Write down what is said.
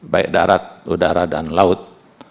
baik darat udara dan laut